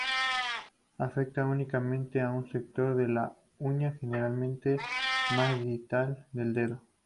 Afecta únicamente a un sector de la uña, generalmente el más distal del dedo.